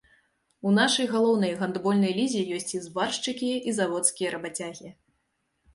У нашай галоўнай гандбольнай лізе ёсць і зваршчыкі, і заводскія рабацягі.